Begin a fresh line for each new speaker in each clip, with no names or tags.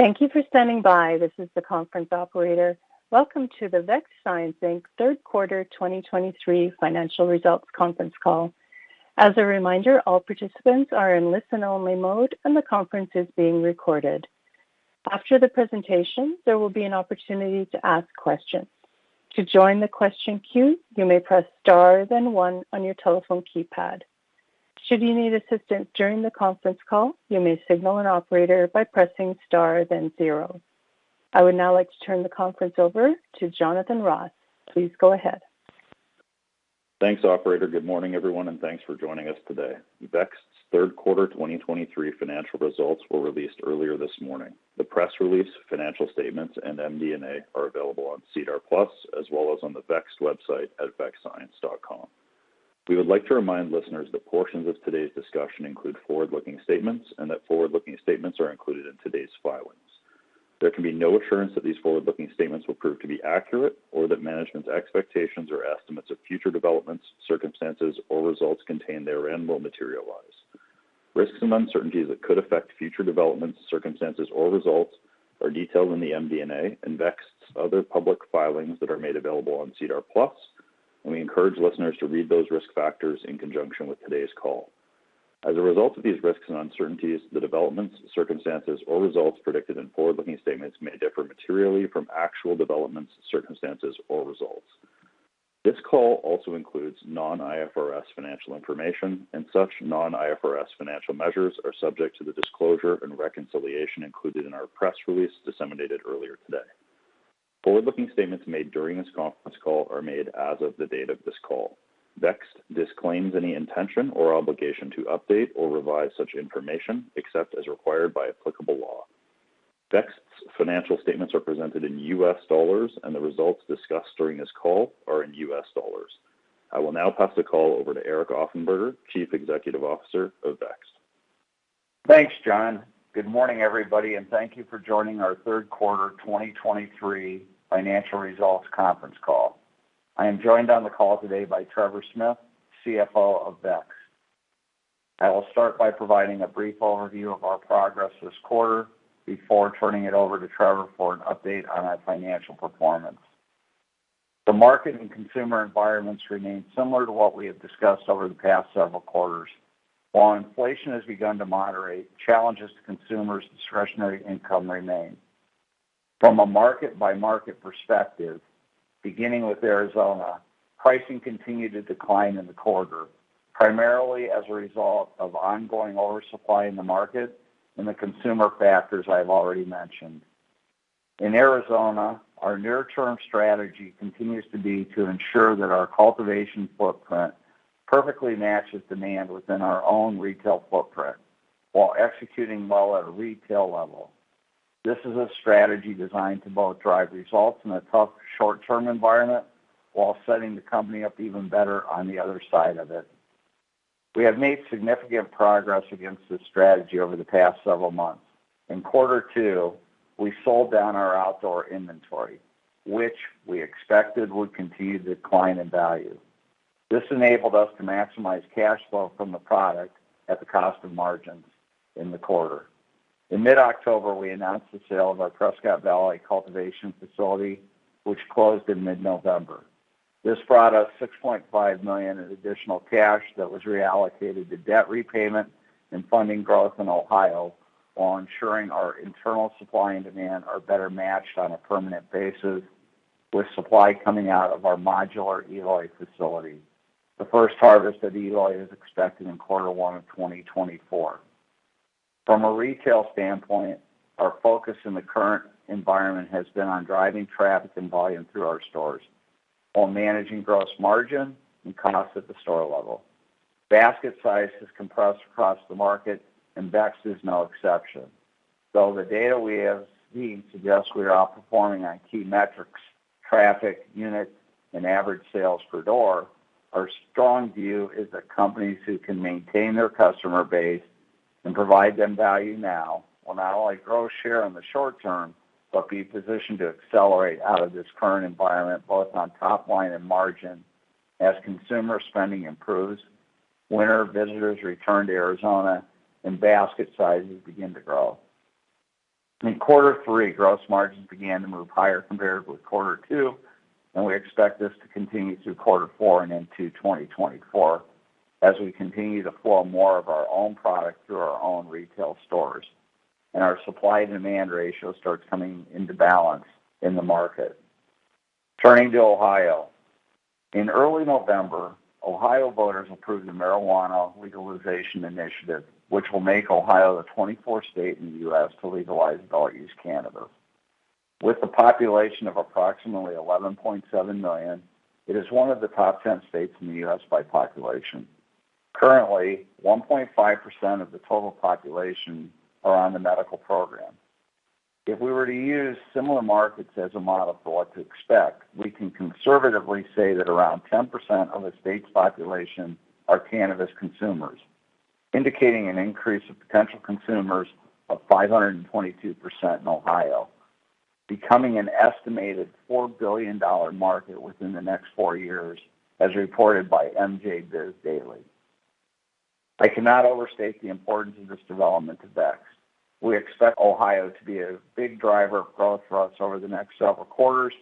Thank you for standing by. This is the conference operator. Welcome to the Vext Science, Inc. third quarter 2023 financial results conference call. As a reminder, all participants are in listen-only mode and the conference is being recorded. After the presentation, there will be an opportunity to ask questions. To join the question queue, you may press Star, then one on your telephone keypad. Should you need assistance during the conference call, you may signal an operator by pressing Star, then zero. I would now like to turn the conference over to Jonathan Ross. Please go ahead.
Thanks, operator. Good morning, everyone, and thanks for joining us today. Vext's third quarter 2023 financial results were released earlier this morning. The press release, financial statements, and MD&A are available on SEDAR+, as well as on the Vext website at vextscience.com. We would like to remind listeners that portions of today's discussion include forward-looking statements and that forward-looking statements are included in today's filings. There can be no assurance that these forward-looking statements will prove to be accurate or that management's expectations or estimates of future developments, circumstances, or results contained therein will materialize. Risks and uncertainties that could affect future developments, circumstances, or results are detailed in the MD&A and Vext's other public filings that are made available on SEDAR+, and we encourage listeners to read those risk factors in conjunction with today's call. As a result of these risks and uncertainties, the developments, circumstances or results predicted in forward-looking statements may differ materially from actual developments, circumstances, or results. This call also includes non-IFRS financial information, and such non-IFRS financial measures are subject to the disclosure and reconciliation included in our press release disseminated earlier today. Forward-looking statements made during this conference call are made as of the date of this call. Vext disclaims any intention or obligation to update or revise such information, except as required by applicable law. Vext's financial statements are presented in U.S. dollars, and the results discussed during this call are in U.S. dollars. I will now pass the call over to Eric Offenberger, Chief Executive Officer of Vext.
Thanks, John. Good morning, everybody, and thank you for joining our third quarter 2023 financial results conference call. I am joined on the call today by Trevor Smith, CFO of Vext. I will start by providing a brief overview of our progress this quarter before turning it over to Trevor for an update on our financial performance. The market and consumer environments remain similar to what we have discussed over the past several quarters. While inflation has begun to moderate, challenges to consumers' discretionary income remain. From a market-by-market perspective, beginning with Arizona, pricing continued to decline in the quarter, primarily as a result of ongoing oversupply in the market and the consumer factors I've already mentioned. In Arizona, our near-term strategy continues to be to ensure that our cultivation footprint perfectly matches demand within our own retail footprint while executing well at a retail level. This is a strategy designed to both drive results in a tough short-term environment while setting the company up even better on the other side of it. We have made significant progress against this strategy over the past several months. In quarter two, we sold down our outdoor inventory, which we expected would continue to decline in value. This enabled us to maximize cash flow from the product at the cost of margins in the quarter. In mid-October, we announced the sale of our Prescott Valley cultivation facility, which closed in mid-November. This brought us $6.5 million in additional cash that was reallocated to debt repayment and funding growth in Ohio, while ensuring our internal supply and demand are better matched on a permanent basis with supply coming out of our modular Eloy facility. The first harvest at Eloy is expected in quarter one of 2024. From a retail standpoint, our focus in the current environment has been on driving traffic and volume through our stores, while managing gross margin and cost at the store level. Basket size has compressed across the market and Vext is no exception. Though the data we have seen suggests we are outperforming on key metrics, traffic, unit, and average sales per door, our strong view is that companies who can maintain their customer base and provide them value now will not only grow share in the short term, but be positioned to accelerate out of this current environment, both on top line and margin, as consumer spending improves, winter visitors return to Arizona and basket sizes begin to grow. In quarter three, gross margins began to move higher compared with quarter two, and we expect this to continue through quarter four and into 2024 as we continue to flow more of our own product through our own retail stores and our supply and demand ratio starts coming into balance in the market. Turning to Ohio. In early November, Ohio voters approved a marijuana legalization initiative, which will make Ohio the 24th state in the U.S. to legalize adult-use cannabis. With a population of approximately 11.7 million, it is one of the top 10 states in the U.S. by population. Currently, 1.5% of the total population are on the medical program. If we were to use similar markets as a model for what to expect, we can conservatively say that around 10% of the state's population are cannabis consumers, indicating an increase of potential consumers of 522% in Ohio, becoming an estimated $4 billion market within the next four years, as reported by MJBizDaily.... I cannot overstate the importance of this development to Vext. We expect Ohio to be a big driver of growth for us over the next several quarters,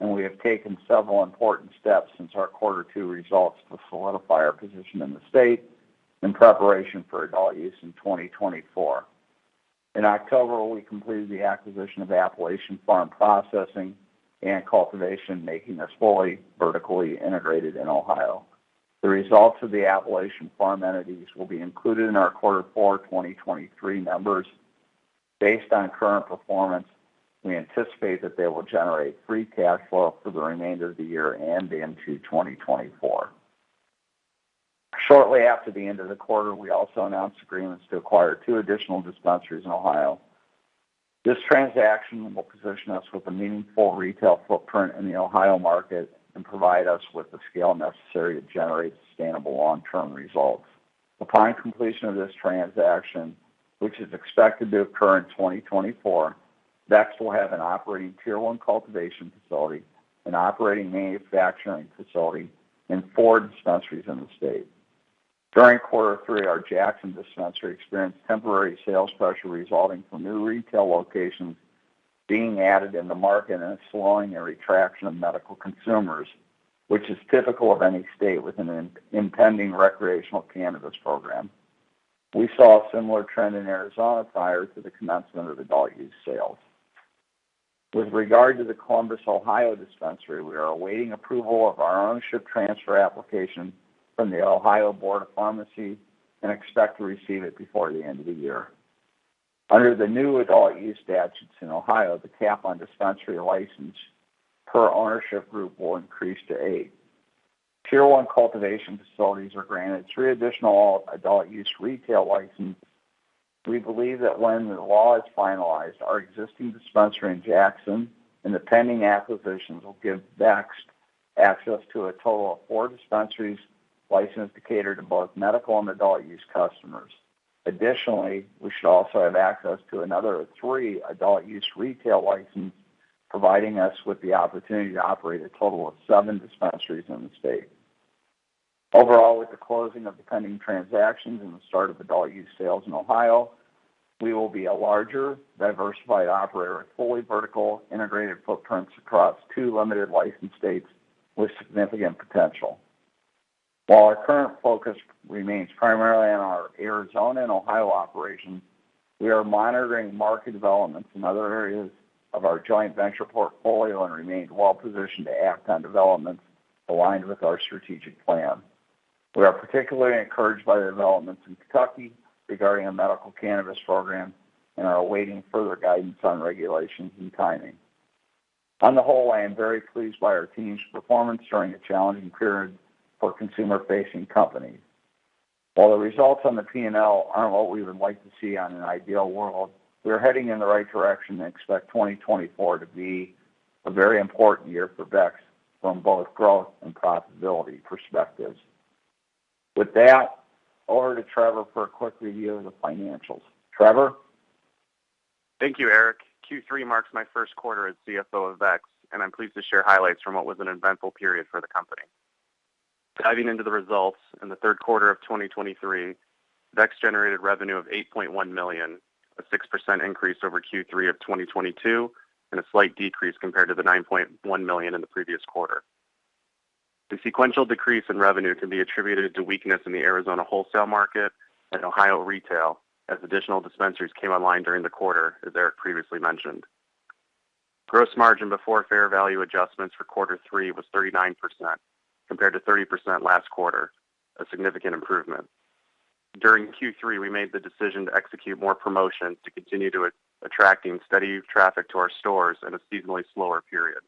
and we have taken several important steps since our quarter two results to solidify our position in the state in preparation for adult use in 2024. In October, we completed the acquisition of Appalachian Pharm Processing and Cultivation, making us fully vertically integrated in Ohio. The results of the Appalachian Pharm entities will be included in our quarter four 2023 numbers. Based on current performance, we anticipate that they will generate free cash flow for the remainder of the year and into 2024. Shortly after the end of the quarter, we also announced agreements to acquire 2 additional dispensaries in Ohio. This transaction will position us with a meaningful retail footprint in the Ohio market and provide us with the scale necessary to generate sustainable long-term results. Upon completion of this transaction, which is expected to occur in 2024, Vext will have an operating Tier One cultivation facility, an operating manufacturing facility, and four dispensaries in the state. During quarter three, our Jackson dispensary experienced temporary sales pressure resulting from new retail locations being added in the market and a slowing or retraction of medical consumers, which is typical of any state with an impending recreational cannabis program. We saw a similar trend in Arizona prior to the commencement of adult-use sales. With regard to the Columbus, Ohio, dispensary, we are awaiting approval of our ownership transfer application from the Ohio Board of Pharmacy and expect to receive it before the end of the year. Under the new adult-use statutes in Ohio, the cap on dispensary license per ownership group will increase to eight. Tier One cultivation facilities are granted three additional adult-use retail licenses. We believe that when the law is finalized, our existing dispensary in Jackson and the pending acquisitions will give Vext access to a total of four dispensaries licensed to cater to both medical and adult-use customers. Additionally, we should also have access to another three adult-use retail licenses, providing us with the opportunity to operate a total of seven dispensaries in the state. Overall, with the closing of the pending transactions and the start of adult-use sales in Ohio, we will be a larger, diversified operator with fully vertically integrated footprints across two limited-license states with significant potential. While our current focus remains primarily on our Arizona and Ohio operations, we are monitoring market developments in other areas of our joint venture portfolio and remain well positioned to act on developments aligned with our strategic plan. We are particularly encouraged by the developments in Kentucky regarding a medical cannabis program and are awaiting further guidance on regulation and timing. On the whole, I am very pleased by our team's performance during a challenging period for consumer-facing companies. While the results on the P&L aren't what we would like to see on an ideal world, we are heading in the right direction and expect 2024 to be a very important year for Vext from both growth and profitability perspectives. With that, over to Trevor for a quick review of the financials. Trevor?
Thank you, Eric. Q3 marks my first quarter as CFO of Vext, and I'm pleased to share highlights from what was an eventful period for the company. Diving into the results, in the third quarter of 2023, Vext generated revenue of $8.1 million, a 6% increase over Q3 of 2022, and a slight decrease compared to the $9.1 million in the previous quarter. The sequential decrease in revenue can be attributed to weakness in the Arizona wholesale market and Ohio retail, as additional dispensaries came online during the quarter, as Eric previously mentioned. Gross margin before fair value adjustments for quarter three was 39%, compared to 30% last quarter, a significant improvement. During Q3, we made the decision to execute more promotions to continue to attracting steady traffic to our stores in a seasonally slower period.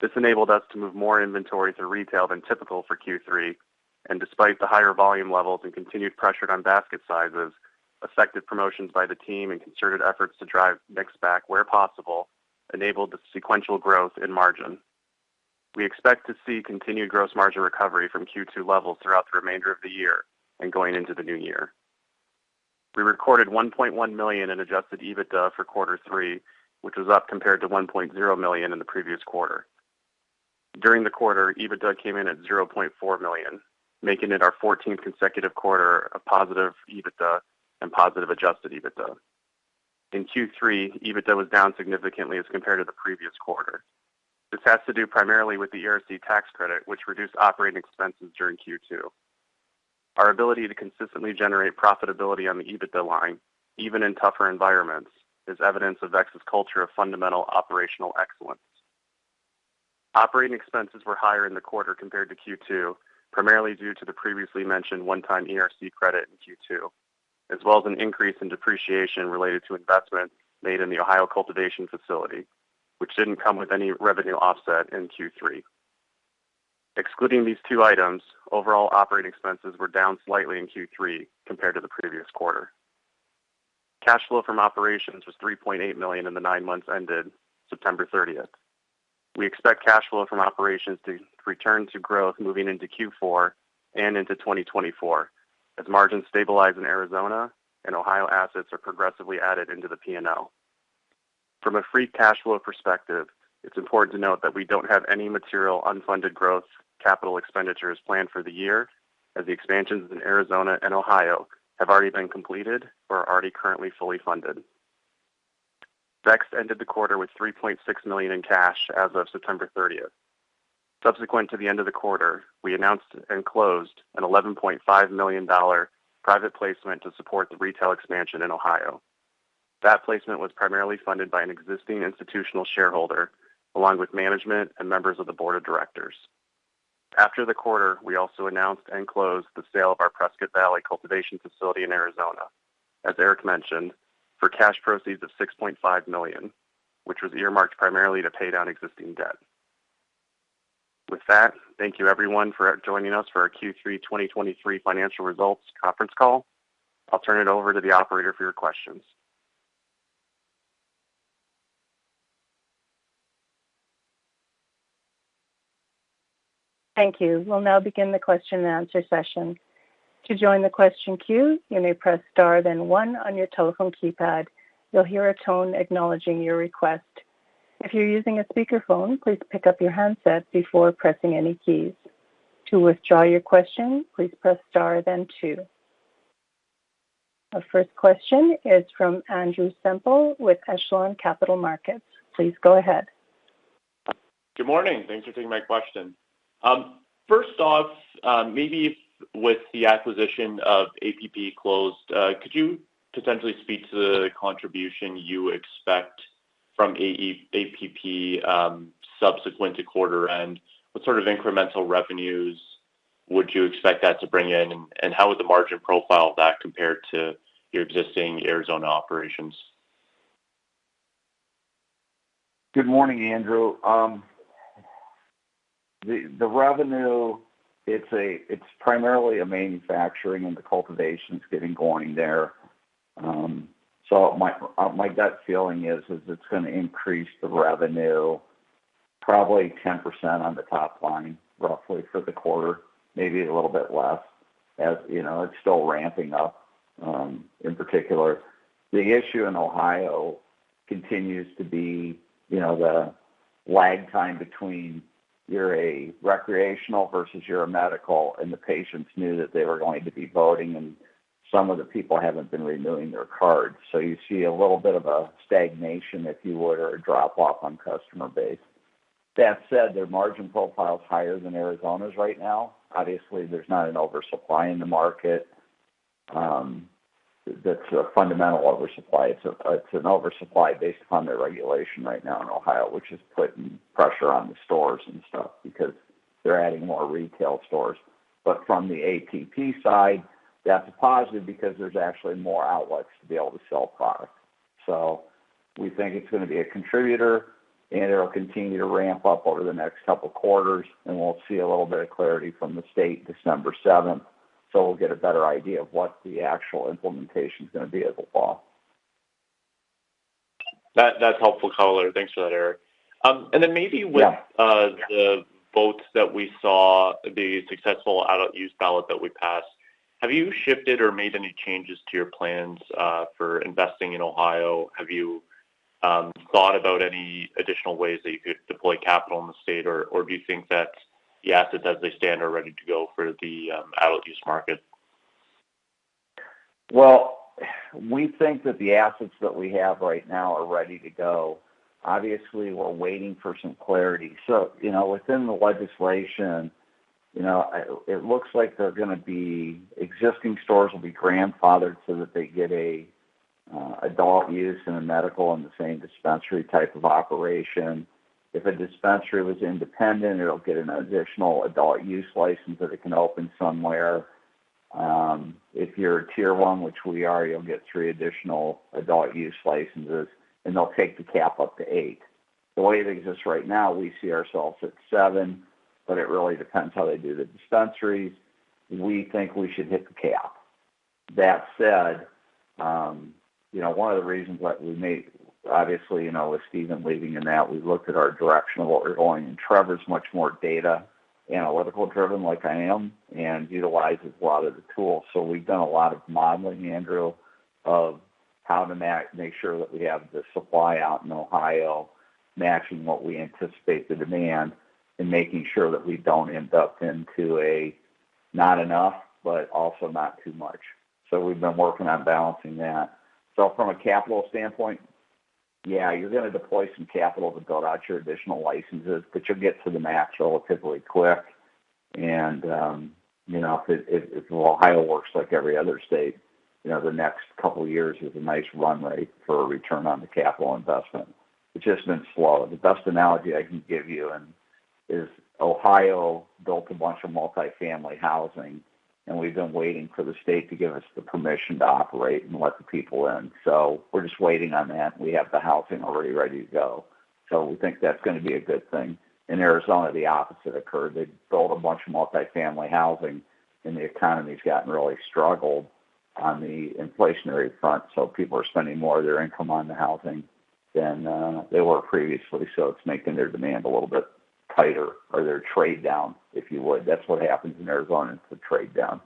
This enabled us to move more inventory to retail than typical for Q3, and despite the higher volume levels and continued pressure on basket sizes, effective promotions by the team and concerted efforts to drive mix back where possible enabled the sequential growth in margin. We expect to see continued gross margin recovery from Q2 levels throughout the remainder of the year and going into the new year. We recorded $1.1 million in adjusted EBITDA for quarter three, which was up compared to $1.0 million in the previous quarter. During the quarter, EBITDA came in at $0.4 million, making it our fourteenth consecutive quarter of positive EBITDA and positive adjusted EBITDA. In Q3, EBITDA was down significantly as compared to the previous quarter. This has to do primarily with the ERC tax credit, which reduced operating expenses during Q2. Our ability to consistently generate profitability on the EBITDA line, even in tougher environments, is evidence of Vext's culture of fundamental operational excellence. Operating expenses were higher in the quarter compared to Q2, primarily due to the previously mentioned one-time ERC credit in Q2, as well as an increase in depreciation related to investments made in the Ohio cultivation facility, which didn't come with any revenue offset in Q3. Excluding these two items, overall operating expenses were down slightly in Q3 compared to the previous quarter. Cash flow from operations was $3.8 million in the nine months ended September 30th. We expect cash flow from operations to return to growth moving into Q4 and into 2024, as margins stabilize in Arizona and Ohio assets are progressively added into the P&L. From a free cash flow perspective, it's important to note that we don't have any material unfunded growth capital expenditures planned for the year, as the expansions in Arizona and Ohio have already been completed or are already currently fully funded. Vext ended the quarter with $3.6 million in cash as of September 30th. Subsequent to the end of the quarter, we announced and closed an $11.5 million private placement to support the retail expansion in Ohio. That placement was primarily funded by an existing institutional shareholder, along with management and members of the board of directors. After the quarter, we also announced and closed the sale of our Prescott Valley cultivation facility in Arizona, as Eric mentioned, for cash proceeds of $6.5 million, which was earmarked primarily to pay down existing debt. With that, thank you everyone for joining us for our Q3 2023 financial results conference call. I'll turn it over to the operator for your questions.
Thank you. We'll now begin the question and answer session. To join the question queue, you may press Star, then one on your telephone keypad. You'll hear a tone acknowledging your request. If you're using a speakerphone, please pick up your handset before pressing any keys. To withdraw your question, please press Star, then two. Our first question is from Andrew Semple with Echelon Capital Markets. Please go ahead.
Good morning. Thanks for taking my question. First off, maybe with the acquisition of APP closed, could you potentially speak to the contribution you expect from APP, subsequent to quarter end? What sort of incremental revenues would you expect that to bring in, and how would the margin profile that compare to your existing Arizona operations?
Good morning, Andrew. The revenue, it's primarily a manufacturing, and the cultivation is getting going there. So my gut feeling is it's going to increase the revenue probably 10% on the top line, roughly for the quarter, maybe a little bit less, as you know, it's still ramping up, in particular. The issue in Ohio continues to be, you know, the lag time between you're a recreational versus you're a medical, and the patients knew that they were going to be voting, and some of the people haven't been renewing their cards. So you see a little bit of a stagnation, if you would, or a drop off on customer base. That said, their margin profile is higher than Arizona's right now. Obviously, there's not an oversupply in the market, that's a fundamental oversupply. It's an oversupply based upon their regulation right now in Ohio, which is putting pressure on the stores and stuff because they're adding more retail stores. But from the APP side, that's a positive because there's actually more outlets to be able to sell product. So we think it's going to be a contributor, and it'll continue to ramp up over the next couple of quarters, and we'll see a little bit of clarity from the state December seventh. So we'll get a better idea of what the actual implementation is going to be as a law.
That, that's helpful color. Thanks for that, Eric. And then maybe with-
Yeah.
The votes that we saw, the successful adult use ballot that we passed, have you shifted or made any changes to your plans for investing in Ohio? Have you thought about any additional ways that you could deploy capital in the state, or do you think that the assets, as they stand, are ready to go for the adult use market?
Well, we think that the assets that we have right now are ready to go. Obviously, we're waiting for some clarity. So, you know, within the legislation, you know, it looks like they're going to be... Existing stores will be grandfathered so that they get a adult use and a medical in the same dispensary type of operation. If a dispensary was independent, it'll get an additional adult use license, that it can open somewhere. If you're a Tier One, which we are, you'll get three additional adult use licenses, and they'll take the cap up to eight. The way it exists right now, we see ourselves at seven, but it really depends how they do the dispensaries. We think we should hit the cap. That said, you know, one of the reasons that we made, obviously, you know, with Stephan leaving and that, we looked at our direction of what we're going, and Trevor's much more data analytical driven, like I am, and utilizes a lot of the tools. So we've done a lot of modeling, Andrew, of how to make sure that we have the supply out in Ohio, matching what we anticipate the demand, and making sure that we don't end up into a not enough, but also not too much. So we've been working on balancing that. So from a capital standpoint, yeah, you're going to deploy some capital to build out your additional licenses, but you'll get to the max relatively quick. You know, if Ohio works like every other state, you know, the next couple of years is a nice runway for a return on the capital investment. It's just been slow. The best analogy I can give you is Ohio built a bunch of multifamily housing, and we've been waiting for the state to give us the permission to operate and let the people in. So we're just waiting on that. We have the housing already ready to go, so we think that's going to be a good thing. In Arizona, the opposite occurred. They built a bunch of multifamily housing, and the economy has gotten really struggled on the inflationary front, so people are spending more of their income on the housing than they were previously. So it's making their demand a little bit tighter or their trade down, if you would. That's what happens in Arizona. It's a trade down....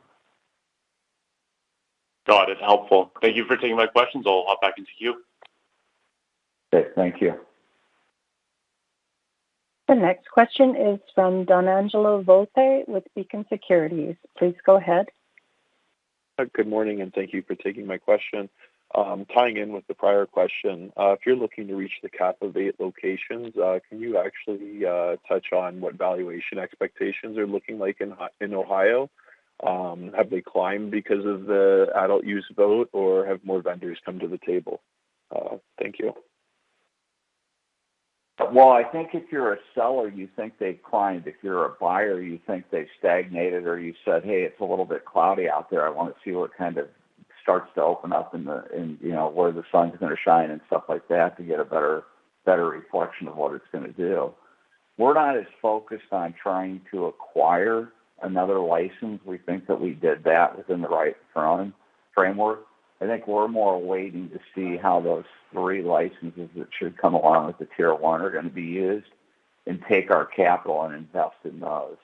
Got it, helpful. Thank you for taking my questions. I'll hop back into queue.
Okay, thank you.
The next question is from Donangelo Volpe with Beacon Securities. Please go ahead.
Good morning, and thank you for taking my question. Tying in with the prior question, if you're looking to reach the capital eight locations, can you actually touch on what valuation expectations are looking like in, in Ohio? Have they climbed because of the adult use vote, or have more vendors come to the table? Thank you.
Well, I think if you're a seller, you think they've climbed. If you're a buyer, you think they've stagnated, or you said, "Hey, it's a little bit cloudy out there. I want to see what kind of starts to open up in the, you know, where the sun's going to shine and stuff like that, to get a better reflection of what it's going to do." We're not as focused on trying to acquire another license. We think that we did that within the right framework. I think we're more waiting to see how those three licenses that should come along with the Tier One are going to be used and take our capital and invest in those.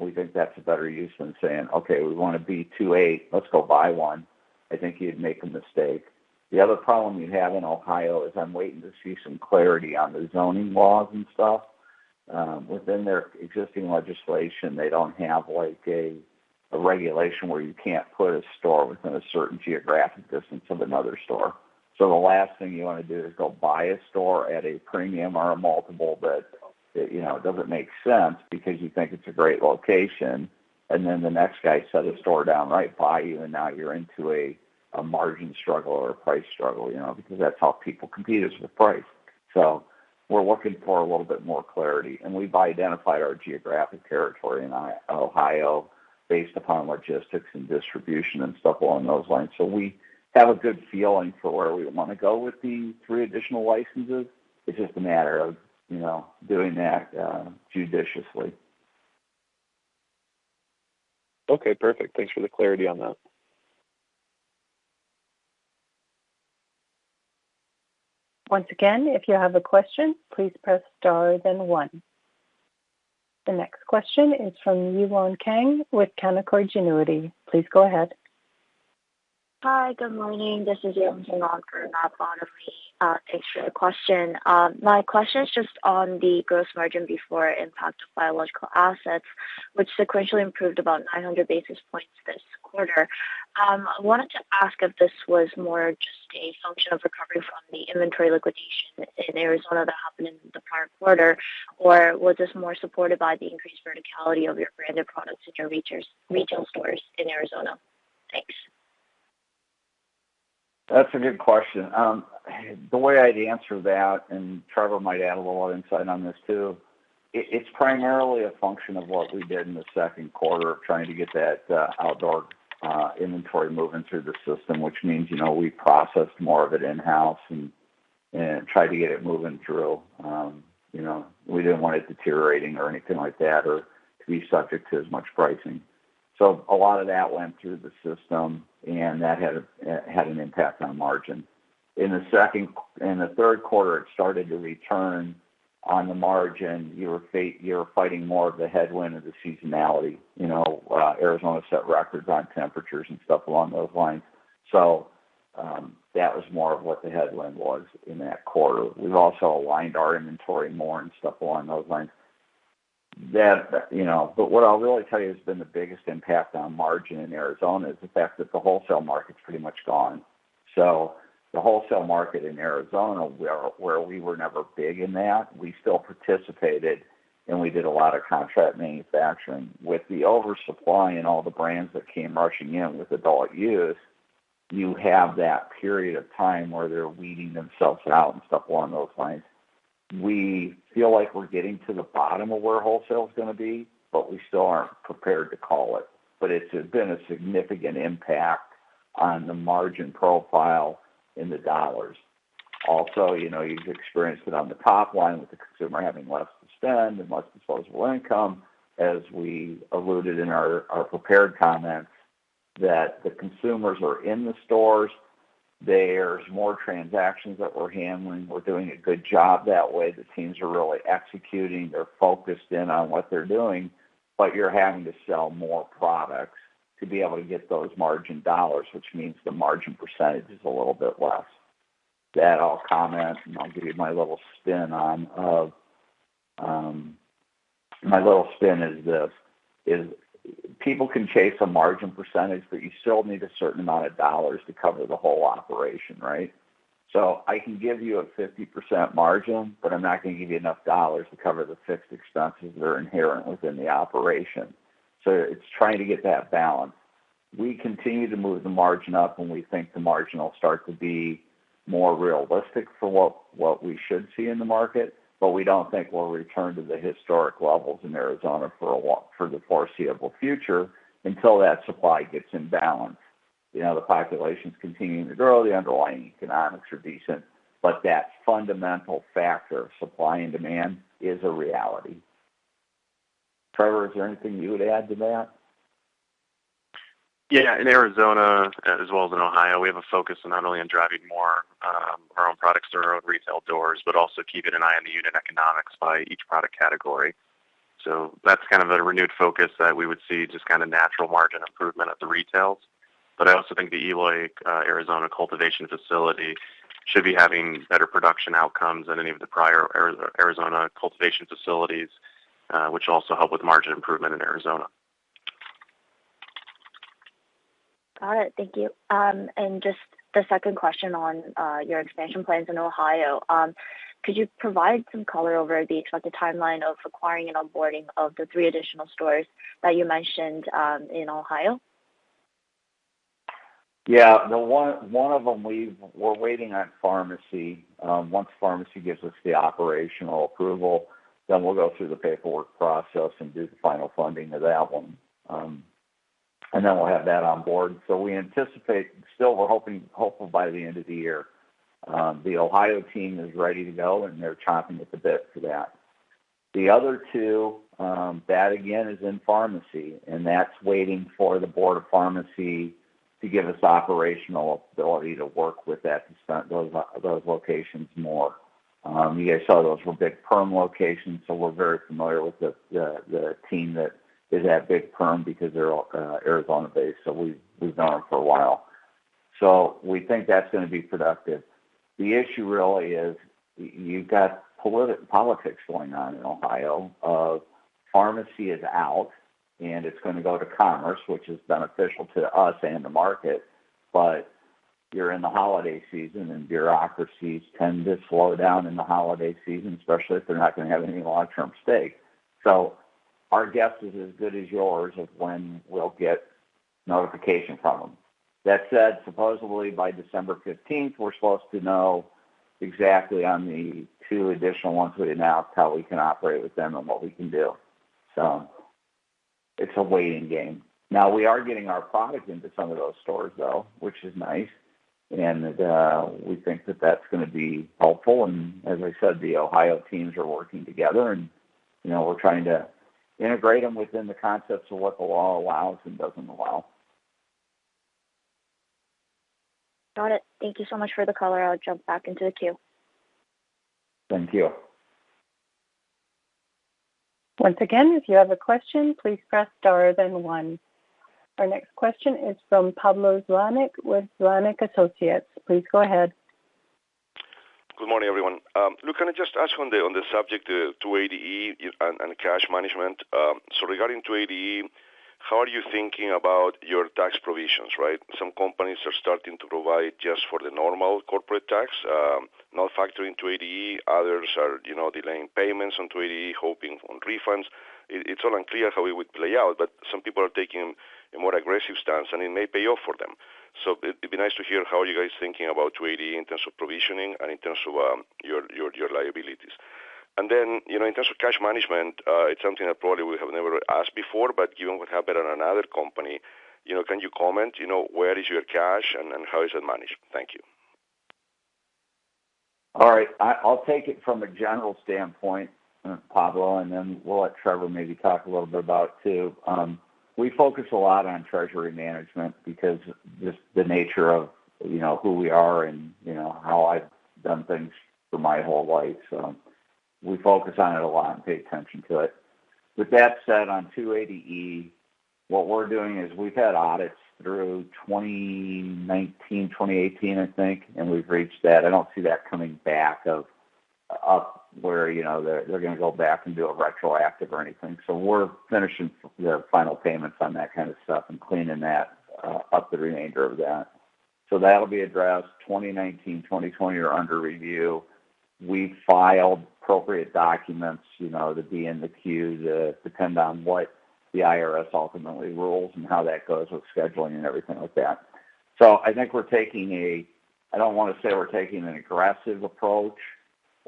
We think that's a better use than saying: Okay, we want to be two to eight, let's go buy one. I think you'd make a mistake. The other problem you have in Ohio is I'm waiting to see some clarity on the zoning laws and stuff. Within their existing legislation, they don't have like a, a regulation where you can't put a store within a certain geographic distance of another store. So the last thing you want to do is go buy a store at a premium or a multiple, but, you know, it doesn't make sense because you think it's a great location, and then the next guy set a store down right by you, and now you're into a, a margin struggle or a price struggle, you know, because that's how people compete, is with price. So we're looking for a little bit more clarity, and we've identified our geographic territory in Ohio, based upon logistics and distribution and stuff along those lines. So we have a good feeling for where we want to go with the three additional licenses. It's just a matter of, you know, doing that, judiciously.
Okay, perfect. Thanks for the clarity on that.
Once again, if you have a question, please press Star, then one. The next question is from Yewon Kang with Canaccord Genuity. Please go ahead.
Hi, good morning. This is Yewon Kang from Canaccord Genuity. Thanks for the question. My question is just on the gross margin before impact of biological assets, which sequentially improved about 900 basis points this quarter. I wanted to ask if this was more just a function of recovery from the inventory liquidation in Arizona that happened in the prior quarter, or was this more supported by the increased verticality of your branded products at your retail, retail stores in Arizona? Thanks.
That's a good question. The way I'd answer that, and Trevor might add a little insight on this too, it's primarily a function of what we did in the second quarter of trying to get that outdoor inventory moving through the system, which means, you know, we processed more of it in-house and tried to get it moving through. You know, we didn't want it deteriorating or anything like that, or to be subject to as much pricing. So a lot of that went through the system, and that had an impact on margin. In the second-- In the third quarter, it started to return on the margin. You were fight-- You were fighting more of the headwind of the seasonality. You know, Arizona set records on temperatures and stuff along those lines. So, that was more of what the headwind was in that quarter. We've also aligned our inventory more and stuff along those lines. That, you know, but what I'll really tell you has been the biggest impact on margin in Arizona is the fact that the wholesale market is pretty much gone. So the wholesale market in Arizona, where we were never big in that, we still participated, and we did a lot of contract manufacturing. With the oversupply and all the brands that came rushing in with adult use, you have that period of time where they're weeding themselves out and stuff along those lines. We feel like we're getting to the bottom of where wholesale is going to be, but we still aren't prepared to call it. But it's been a significant impact on the margin profile in the dollars. Also, you know, you've experienced it on the top line, with the consumer having less to spend and less disposable income, as we alluded in our, our prepared comments, that the consumers are in the stores. There's more transactions that we're handling. We're doing a good job that way. The teams are really executing. They're focused in on what they're doing, but you're having to sell more products to be able to get those margin dollars, which means the margin percentage is a little bit less. That, I'll comment, and I'll give you my little spin on, of... My little spin is this, is people can chase a margin percentage, but you still need a certain amount of dollars to cover the whole operation, right? So I can give you a 50% margin, but I'm not going to give you enough dollars to cover the fixed expenses that are inherent within the operation. So it's trying to get that balance. We continue to move the margin up, and we think the margin will start to be more realistic for what we should see in the market, but we don't think we'll return to the historic levels in Arizona for a while, for the foreseeable future, until that supply gets in balance. You know, the population is continuing to grow, the underlying economics are decent, but that fundamental factor of supply and demand is a reality. Trevor, is there anything you would add to that?
Yeah. In Arizona, as well as in Ohio, we have a focus on not only driving more our own products through our own retail doors, but also keeping an eye on the unit economics by each product category.... So that's kind of a renewed focus that we would see, just kind of natural margin improvement at the retails. But I also think the Eloy, Arizona cultivation facility should be having better production outcomes than any of the prior Arizona cultivation facilities, which also help with margin improvement in Arizona.
Got it. Thank you. Just the second question on your expansion plans in Ohio. Could you provide some color over the expected timeline of acquiring and onboarding of the three additional stores that you mentioned in Ohio?
Yeah. The one, one of them, we're waiting on Pharmacy. Once Pharmacy gives us the operational approval, then we'll go through the paperwork process and do the final funding of that one. And then we'll have that on board. So we anticipate, still, we're hoping, hopeful by the end of the year. The Ohio team is ready to go, and they're chomping at the bit for that. The other two, that again, is in Pharmacy, and that's waiting for the Board of Pharmacy to give us operational ability to work with that and start those locations more. You guys saw those were Big Perm locations, so we're very familiar with the team that is at Big Perm because they're all Arizona-based, so we've known them for a while. So we think that's gonna be productive. The issue really is you've got politics going on in Ohio. Pharmacy is out, and it's gonna go to Commerce, which is beneficial to us and the market, but you're in the holiday season, and bureaucracies tend to slow down in the holiday season, especially if they're not gonna have any long-term stake. So our guess is as good as yours of when we'll get notification from them. That said, supposedly by December fifteenth, we're supposed to know exactly on the two additional ones we announced, how we can operate with them and what we can do. So it's a waiting game. Now, we are getting our products into some of those stores, though, which is nice, and we think that that's gonna be helpful. As I said, the Ohio teams are working together, and, you know, we're trying to integrate them within the concepts of what the law allows and doesn't allow.
Got it. Thank you so much for the color. I'll jump back into the queue.
Thank you.
Once again, if you have a question, please press star, then one. Our next question is from Pablo Zuanic with Zuanic & Associates. Please go ahead.
Good morning, everyone. Look, can I just ask on the subject, 280E and cash management? So regarding 280E, how are you thinking about your tax provisions, right? Some companies are starting to provide just for the normal corporate tax, not factoring 280E. Others are, you know, delaying payments on 280E, hoping on refunds. It's all unclear how it would play out, but some people are taking a more aggressive stance, and it may pay off for them. So it'd be nice to hear how you guys are thinking about 280E in terms of provisioning and in terms of your liabilities. Then, you know, in terms of cash management, it's something that probably we have never asked before, but given what happened on another company, you know, can you comment, you know, where is your cash and how is it managed? Thank you.
All right, I, I'll take it from a general standpoint, Pablo, and then we'll let Trevor maybe talk a little bit about it, too. We focus a lot on treasury management because just the nature of, you know, who we are and, you know, how I've done things for my whole life. So we focus on it a lot and pay attention to it. With that said, on 280E, what we're doing is we've had audits through 2019, 2018, I think, and we've reached that. I don't see that coming back up where, you know, they're, they're gonna go back and do a retroactive or anything. So we're finishing the final payments on that kind of stuff and cleaning that up, the remainder of that. So that'll be addressed. 2019, 2020 are under review. We filed appropriate documents, you know, to be in the queue to depend on what the IRS ultimately rules and how that goes with scheduling and everything like that. So I think we're taking a—I don't want to say we're taking an aggressive approach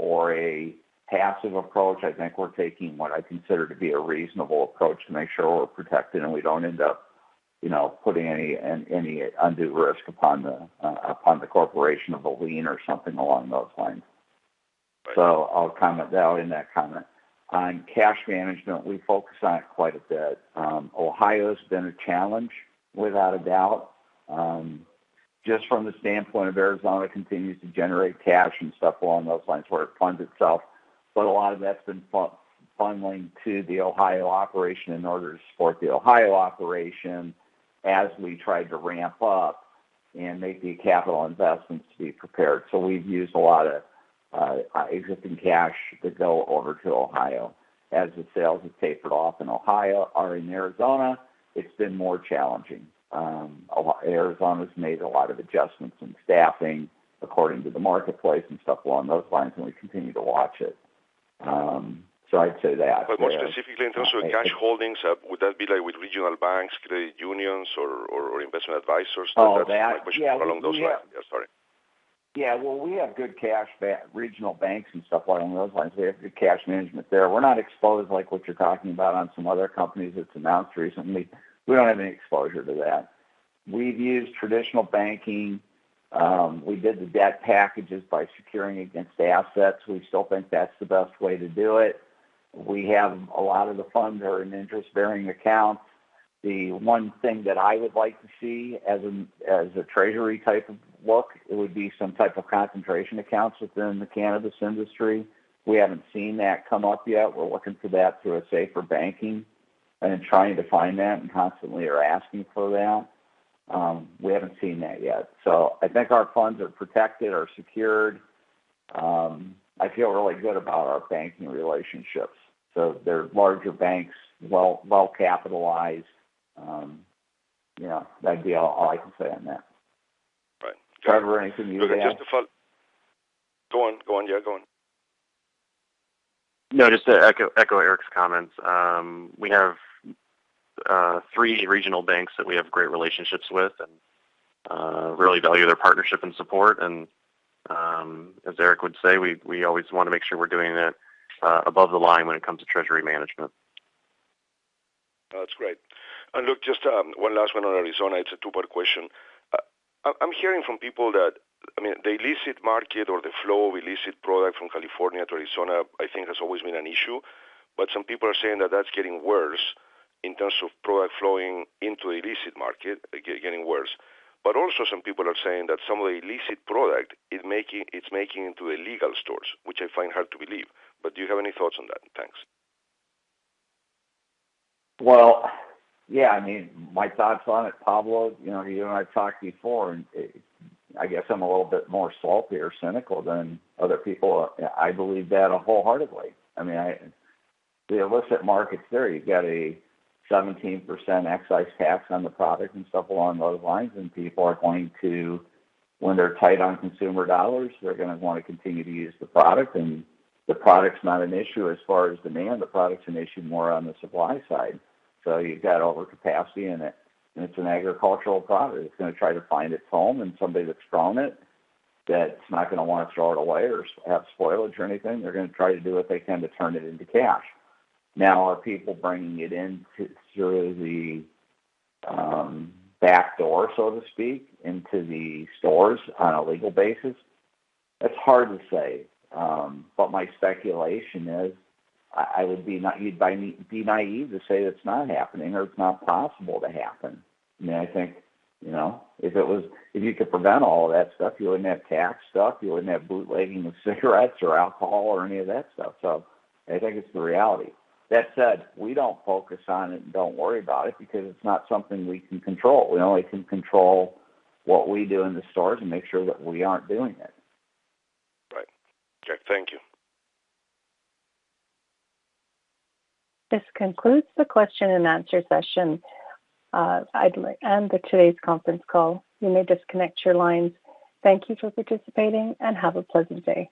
or a passive approach. I think we're taking what I consider to be a reasonable approach to make sure we're protected and we don't end up, you know, putting any undue risk upon the, upon the corporation of a lien or something along those lines. So I'll comment that in that comment. On cash management, we focus on it quite a bit. Ohio's been a challenge, without a doubt, just from the standpoint of Arizona continues to generate cash and stuff along those lines where it funds itself. But a lot of that's been funneling to the Ohio operation in order to support the Ohio operation as we tried to ramp up and make the capital investments to be prepared. So we've used a lot of existing cash to go over to Ohio. As the sales have tapered off in Ohio or in Arizona, it's been more challenging. A lot. Arizona's made a lot of adjustments in staffing according to the marketplace and stuff along those lines, and we continue to watch it. So I'd say that.
But more specifically, in terms of cash holdings, would that be like with regional banks, credit unions, or investment advisors?
Oh, that-
Along those lines. Yeah, sorry.
Yeah, well, we have good cash at regional banks and stuff along those lines. They have good cash management there. We're not exposed like what you're talking about on some other companies that's announced recently. We don't have any exposure to that. We've used traditional banking. We did the debt packages by securing against the assets. We still think that's the best way to do it. We have a lot of the funds are in interest-bearing accounts. The one thing that I would like to see as a treasury type of look, it would be some type of concentration accounts within the cannabis industry. We haven't seen that come up yet. We're looking for that through a SAFER Banking and then trying to find that, and constantly are asking for that. We haven't seen that yet. So I think our funds are protected, are secured. I feel really good about our banking relationships. So they're larger banks, well capitalized. You know, that'd be all I can say on that.
Right.
Trevor, anything you would add?
Go on. Go on, yeah, go on.
No, just to echo Eric's comments. We have three regional banks that we have great relationships with and really value their partnership and support. As Eric would say, we always want to make sure we're doing it above the line when it comes to treasury management.
That's great. And look, just one last one on Arizona. It's a two-part question. I'm hearing from people that, I mean, the illicit market or the flow of illicit product from California to Arizona, I think has always been an issue. But some people are saying that that's getting worse in terms of product flowing into illicit market, getting worse. But also some people are saying that some of the illicit product is making into illegal stores, which I find hard to believe. But do you have any thoughts on that? Thanks.
Well, yeah, I mean, my thoughts on it, Pablo, you know, you and I have talked before, and I guess I'm a little bit more salty or cynical than other people. I believe that wholeheartedly. I mean, the illicit market's there. You've got a 17% excise tax on the product and stuff along those lines, and people are going to, when they're tight on consumer dollars, they're gonna want to continue to use the product. And the product's not an issue as far as demand, the product's an issue more on the supply side. So you've got overcapacity in it, and it's an agricultural product. It's gonna try to find its home and somebody that's growing it, that's not gonna want to throw it away or have spoilage or anything. They're gonna try to do what they can to turn it into cash. Now, are people bringing it in through the back door, so to speak, into the stores on a legal basis? That's hard to say. But my speculation is, I would be naive to say that's not happening or it's not possible to happen. You know, I think, you know, if it was, if you could prevent all of that stuff, you wouldn't have tax stuff, you wouldn't have bootlegging with cigarettes or alcohol or any of that stuff. So I think it's the reality. That said, we don't focus on it and don't worry about it because it's not something we can control. We only can control what we do in the stores and make sure that we aren't doing it.
Right. Okay, thank you.
This concludes the question and answer session. Today's conference call, you may disconnect your lines. Thank you for participating and have a pleasant day.